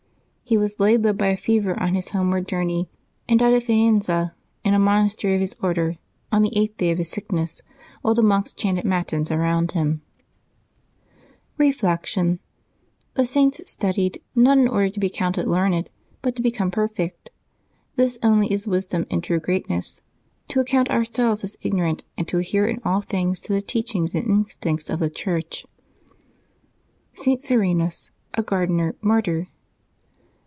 He was laid low by a fever on his homeward journey, and died at Faenza, in a monastery of his order, on the eighth day of his sickness, whilst the monks chanted matins around him. 84 LIVES OF THE SAINTS [Februaby 23 Reflection. — The Saints studied, not in order to be ac counted learned, but to become perfect. This only is wis dom and true greatness, to account ourselves as ignorant, and to adhere in all things to the teachings and instincts of the Church. ST. SERENUS, a Gardener, Martyr.